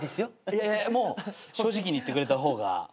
いやいやもう正直に言ってくれた方がはい。